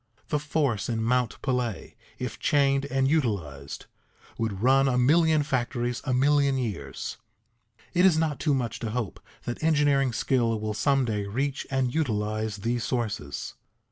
The force in Mount Pelée, if chained and utilized, would run a million factories a million years. It is not too much to hope that engineering skill will some day reach and utilize these sources.